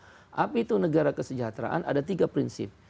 tapi itu negara kesejahteraan ada tiga prinsip